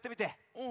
うん。